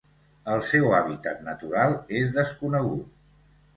El seu hàbitat natural és desconegut.